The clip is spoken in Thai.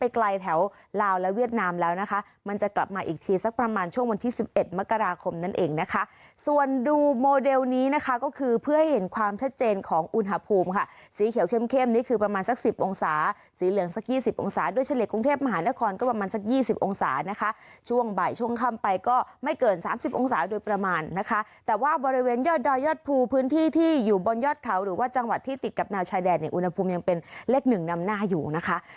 ใกล้แถวลาวและเวียดนามแล้วนะคะมันจะกลับมาอีกทีสักประมาณช่วงวันที่สิบเอ็ดมกราคมนั่นเองนะคะส่วนดูโมเดลนี้นะคะก็คือเพื่อให้เห็นความชัดเจนของอุณหภูมิค่ะสีเขียวเข้มเข้มนี้คือประมาณสักสิบองศาสีเหลืองสักยี่สิบองศาด้วยเฉลี่ยกรุงเทพมหานครก็ประมาณสักยี่สิบองศานะคะช่วงบ่ายช่วงค่ำ